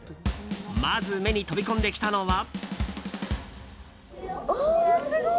まず、目に飛び込んできたのは。